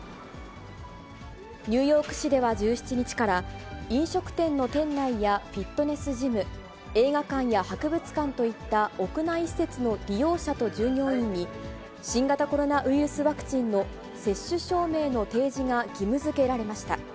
ニューヨーク市では１７日から、飲食店の店内やフィットネスジム、映画館や博物館といった屋内施設の利用者と従業員に、新型コロナウイルスワクチンの接種証明の提示が義務づけられました。